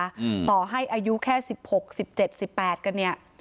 อืมต่อให้อายุแค่สิบหกสิบเจ็ดสิบแปดกันเนี้ย